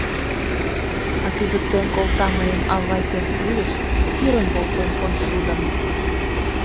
А, кӱзыктен колта мыйым авай пӧртвуйыш — кӱрын волтем коншудым.